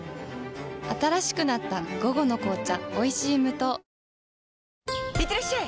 新しくなった「午後の紅茶おいしい無糖」いってらっしゃい！